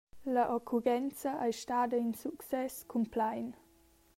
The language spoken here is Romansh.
La occurrenza ei stada in success cumplein.